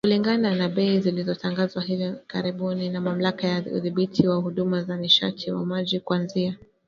Kulingana na bei zilizotangazwa hivi karibuni na Mamlaka ya Udhibiti wa Huduma za Nishati na Maji kuanzia